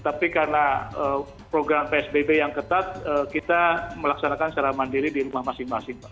tapi karena program psbb yang ketat kita melaksanakan secara mandiri di rumah masing masing pak